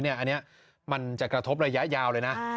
อันนี้มันจะกระทบระยะยาวเลยนะ